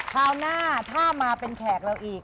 คราวหน้าถ้ามาเป็นแขกเราอีก